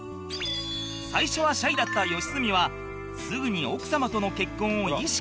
最初はシャイだった良純はすぐに奥様との結婚を意識したという